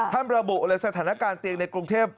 ท่านพระบุอะไรเศรษฐนาการเตียงในกรุงเทพฯ